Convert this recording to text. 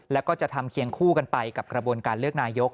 แล้วก็จะทำเคียงคู่กันไปกับกระบวนการเลือกนายก